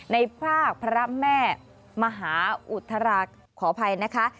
ในภาคพระแม่มหาอุทรรักขออภัยนะคะ